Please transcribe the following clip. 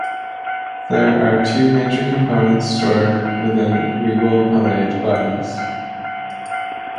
There are two major components stored within Weibel-Palade bodies.